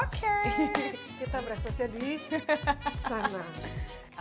kita beresesnya disana